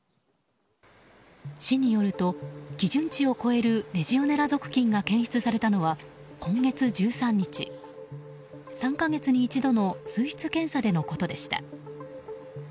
市によると、基準値を超えるレジオネラ属菌が検出されたのは今月１３日、３か月に一度の水質検査でのことでした。